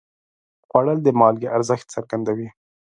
خوړل د مالګې ارزښت څرګندوي